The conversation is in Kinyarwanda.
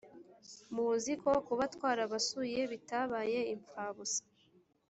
muzi ko kuba twarabasuye bitabaye imfabusa